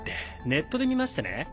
ネットで見ましてね。